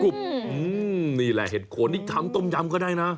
กุบนี่แหละเห็ดโคนทำต้มยำก็ได้นะ